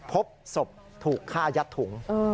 พบศพถูกฆ่ายัดถุง